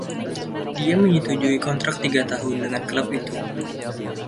Dia menyetujui kontrak tiga tahun dengan klub itu.